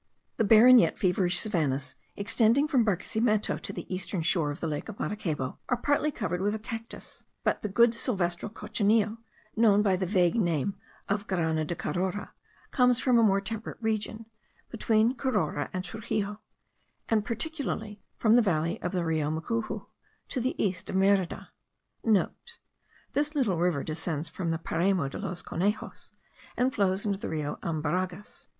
The barren yet feverish savannahs, extending from Barquesimeto to the eastern shore of the lake of Maracaybo, are partly covered with cactus; but the good silvester cochineal, known by the vague name of grana de Carora, comes from a more temperate region, between Carora and Truxillo, and particularly from the valley of the Rio Mucuju,* to the east of Merida. (* This little river descends from the Paramo de los Conejos, and flows into the Rio Albarregas.)